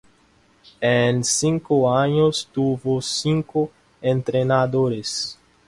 En cinco años, tuvo cinco entrenadores.